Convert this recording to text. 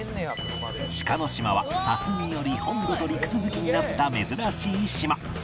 志賀島は砂州により本土と陸続きになった珍しい島